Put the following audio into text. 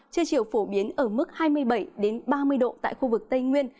trưa chiều phổ biến ở mức hai mươi bảy ba mươi độ tại khu vực tây nguyên